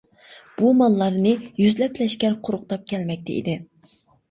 بۇ ماللارنى يۈزلەپ لەشكەر قۇرۇقداپ كەلمەكتە ئىدى.